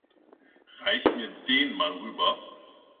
Reich mir den mal rüber.